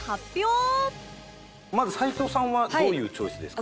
まず齊藤さんはどういうチョイスですか？